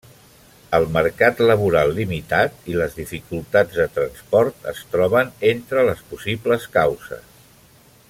El mercat laboral limitat i les dificultats de transport es troben entre les possibles causes.